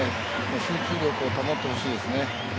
集中力を保ってほしいですね。